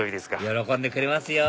喜んでくれますよ！